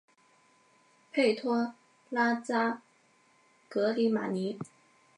佩托拉扎格里马尼。